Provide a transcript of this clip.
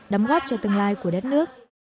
cho tương lai của đất nước